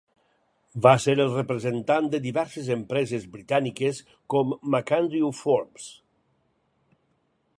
Va ser el representant de diverses empreses britàniques, com MacAndrew Forbes.